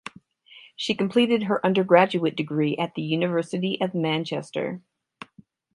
She completed her undergraduate degree at the University of Manchester.